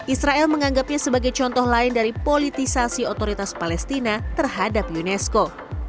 israel menganggapnya sebagai contoh lain dari politisasi otoritas palestina terhadap unesco